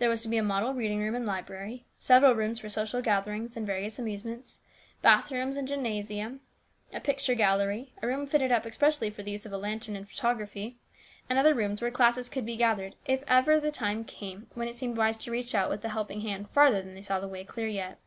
There was to be a model reading room and library ; several rooms for social gatherings, and various amusements ; bathrooms and gymnasium ; a picture gallery ; a room fitted up expressly for the use of a lantern and photography ; and other rooms where classes could be gathered if the time ever came when it seemed wise to reach out with the helping hand farther than they saw the way clear yet.